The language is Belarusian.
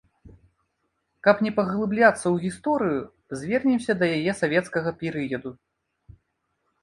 Каб не паглыбляцца ў гісторыю, звернемся да яе савецкага перыяду.